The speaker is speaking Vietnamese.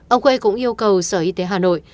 ông quê cũng yêu cầu sở y tế hà nội